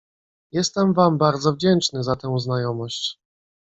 "Jestem wam bardzo wdzięczny za tę znajomość."